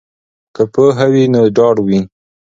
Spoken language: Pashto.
که پوهه وي نو ډاډ وي.